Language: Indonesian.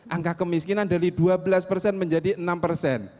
angka kemiskinan dari dua belas persen menjadi enam persen